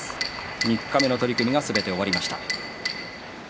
三日目の取組がすべて終わりました。